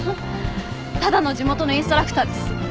ただの地元のインストラクターです。